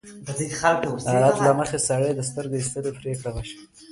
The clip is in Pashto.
د عدالت له مخې د سړي د سترګې ایستلو پرېکړه وشوه.